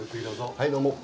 はいどうも。